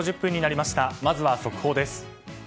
まずは速報です。